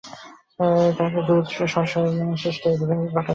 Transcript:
তাদের মধ্যে জুজুৎসু সর্সারারদের দ্বারা সৃষ্ট দ্রোহী ঘটনাও রয়েছে।